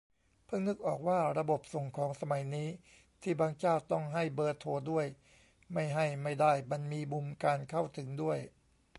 เพิ่งนึกออกว่า ระบบส่งของสมัยนี้ที่บางเจ้าต้องให้เบอร์โทรด้วย ไม่ให้ไม่ได้ มันมีมุมการเข้าถึงด้วย